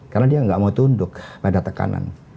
karena dia nggak mau tunduk pada tekanan